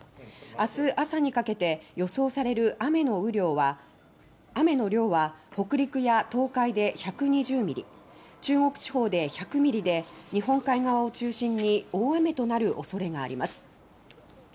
あす朝にかけて予想される雨の量は北陸や東海で１２０ミリ中国地方で１００ミリで日本海側を中心に大雨となる恐れがあります。